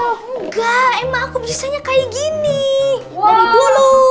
enggak emang aku bisanya kayak gini dari dulu